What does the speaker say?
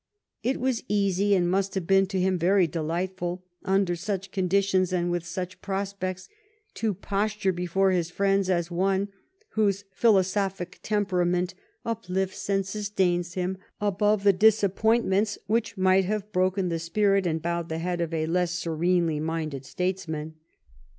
It was easy and must have been to him very delight ful, under such conditions and with such prospects, to posture before his friends as one whose philosophic temperament uplifts and sustains him above th^ dis appointments which might have broken the spirit and bowed the head of a less serenely minded statesman.